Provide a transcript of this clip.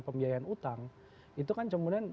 pembiayaan utang itu kan kemudian